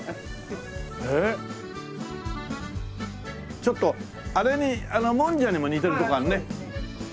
ちょっとあれにもんじゃにも似てるとこあるね。